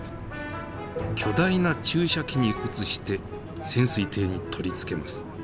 巨大な注射器に移して潜水艇に取り付けます。